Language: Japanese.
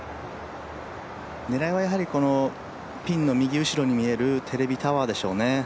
狙いはピンの右後ろに見えるテレビタワーでしょうね。